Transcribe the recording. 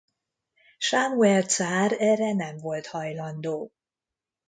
Sámuel cár erre nem volt hajlandó.